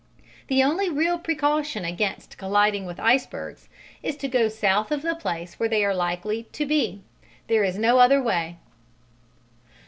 The only real precaution against colliding with icebergs is to go south of the place where they are likely to be: there is no other way.